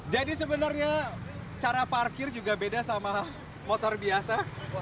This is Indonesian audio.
jadi sebenarnya cara parkir juga beda sama motor biasa